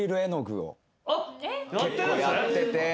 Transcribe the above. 結構やってて。